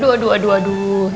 aduh aduh aduh